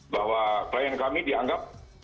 bahwa klien kami dianggap